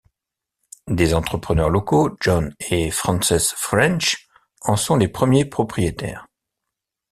Des entrepreneurs locaux, John et Frances French, en sont les premiers propriétaires.